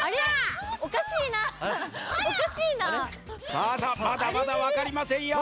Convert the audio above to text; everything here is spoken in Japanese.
さあさあまだまだわかりませんよ。